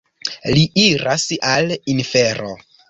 Li iras al infero.